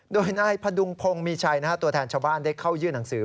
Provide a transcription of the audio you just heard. โดยนายพดุงพงศ์มีชัยตัวแทนชาวบ้านได้เข้ายื่นหนังสือ